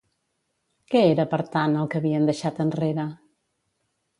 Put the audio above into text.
Què era, per tant, el que havien deixat enrere?